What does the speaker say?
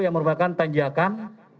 yang merupakan tanjakan